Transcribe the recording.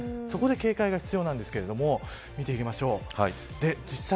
そこで警戒が必要なんですけれども見ていきましょう。